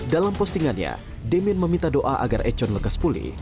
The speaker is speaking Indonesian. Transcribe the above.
dalam postingannya demian meminta doa agar econ lekas pulih